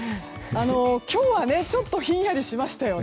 今日はちょっとひんやりしましたよね。